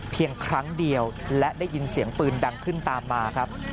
เพียงครั้งเดียวและได้ยินเสียงปืนดังขึ้นตามมาครับ